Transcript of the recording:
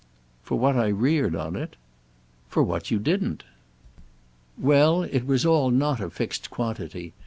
"For what I reared on it?" "For what you didn't!" "Well, it was all not a fixed quantity.